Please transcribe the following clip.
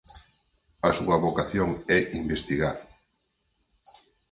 A súa vocación é investigar